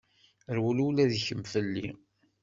Rwel ula d kemm fell-i.